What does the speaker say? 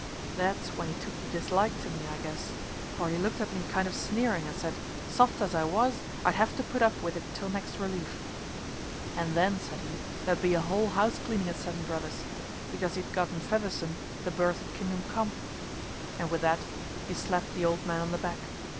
That's when he took the dislike to me, I guess, for he looked at me kind of sneering and said, soft as I was, I'd have to put up with it till next relief. And then, said he, there'd be a whole house cleaning at Seven Brothers, because he'd gotten Fedderson the berth at Kingdom Come. And with that he slapped the old man on the back.